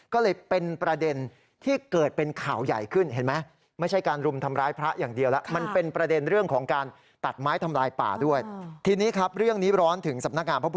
ก็เลยเป็นประเด็นที่เกิดเป็นข่าวใหญ่ขึ้นเห็นไหม